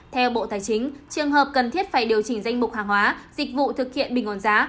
theo bộ tài chính trường hợp cần thiết phải điều chỉnh danh mục hàng hóa dịch vụ thực hiện bình ổn giá